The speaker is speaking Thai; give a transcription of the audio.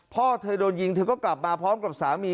พ่อเธอโดนยิงเธอก็กลับมาพร้อมกับสามี